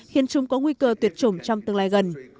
khiến chúng có nguy cơ tuyệt chủng trong tương lai gần